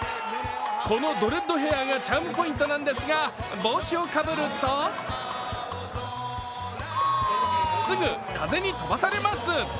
このドレッドヘアがチャームポイントなんですが帽子をかぶるとすぐ風に飛ばされます。